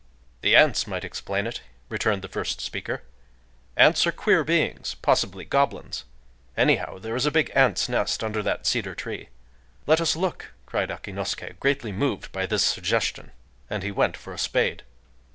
"The ants might explain it," returned the first speaker. "Ants are queer beings—possibly goblins... Anyhow, there is a big ant's nest under that cedar tree."... "Let us look!" cried Akinosuké, greatly moved by this suggestion. And he went for a spade.